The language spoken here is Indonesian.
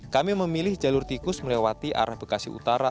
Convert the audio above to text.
kami memilih jalur tikus melewati arah bekasi utara